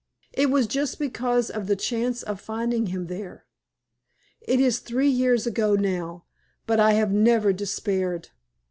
It was just because of the chance of finding him there. It is three years ago now, but I have never despaired.